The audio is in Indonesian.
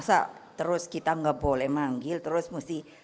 masa terus kita nggak boleh manggil terus mesti